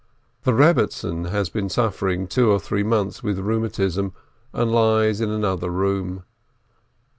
The Rebbetzin has been suffering two or three months with rheumatism, and lies in another room.